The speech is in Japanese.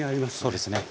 そうですね。